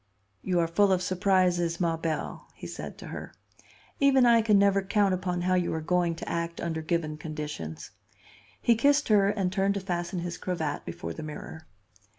"You are full of surprises, ma belle," he said to her. "Even I can never count upon how you are going to act under given conditions." He kissed her and turned to fasten his cravat before the mirror.